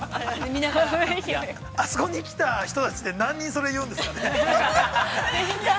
◆あそこに来た人たちって、何人それを言うんですかね。